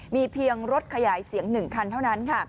มีเพียงรถขยายเสียง๑คันเท่านั้นค่ะ